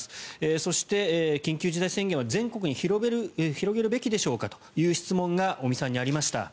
そして、緊急事態宣言は全国に広げるべきでしょうかという質問が尾身さんにありました。